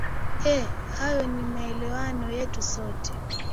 e hayo ni maelewano yetu sote